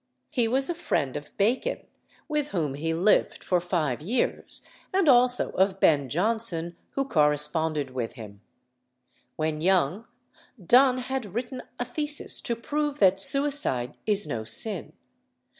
He was a friend of Bacon, with whom he lived for five years, and also of Ben Jonson, who corresponded with him. When young, Donne had written a thesis to prove that suicide is no sin.